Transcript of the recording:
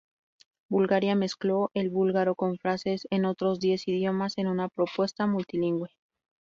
Bulgaria mezcló el búlgaro con frases en otros diez idiomas en una propuesta multilingüe.